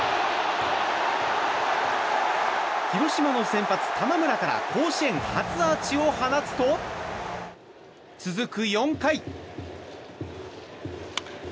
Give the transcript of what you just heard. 広島の先発、玉村から甲子園初アーチを放つと続く４回。